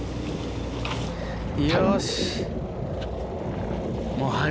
よし。